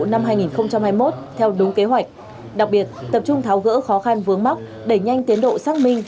năm hai nghìn hai mươi một theo đúng kế hoạch đặc biệt tập trung tháo gỡ khó khăn vướng mắc đẩy nhanh tiến độ xác minh